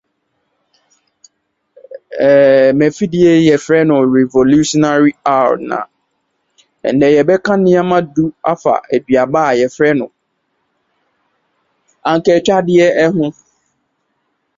Amiloride's chemical structure contains a guanidinium group containing pyrazine derivative.